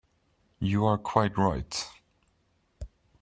You are quite right.